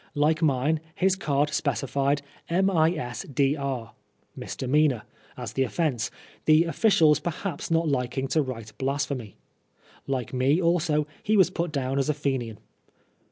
Like mine, his card specified ^^misdr." (misdemeanor) as the offence, the officials perhaps not liking to write blasphemy. Like me also, he was put down as a Fenian.